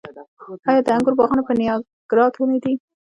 آیا د انګورو باغونه په نیاګرا کې نه دي؟